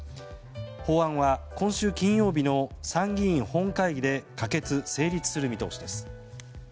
法案は、今週金曜日の参議院本会議で可決・成立する見通しです。